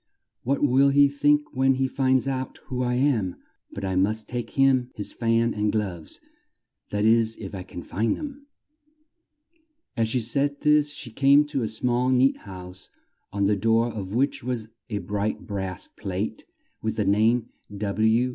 "What will he think when he finds out who I am! But I must take him his fan and gloves that is if I can find them." As she said this she came to a small neat house on the door of which was a bright brass plate with the name W.